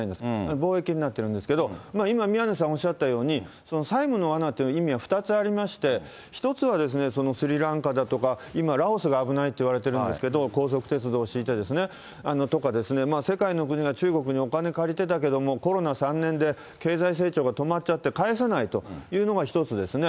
貿易になってるんですけれども、今、宮根さんおっしゃったように、債務のわなっていう意味は２つありまして、１つはスリランカだとか、今、ラオスが危ないっていわれてるんですけど、高速鉄道を敷いて、とかですね、世界の国が中国にお金借りてたけども、コロナ３年で経済成長が止まっちゃって返せないというのが一つですね。